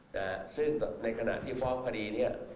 นะฮะซึ่งในขณะที่ฟ้อมคดีเนี้ย